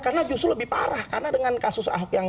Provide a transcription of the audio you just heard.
karena justru lebih parah karena dengan kasus